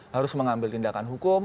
harus mengambil tindakan hukum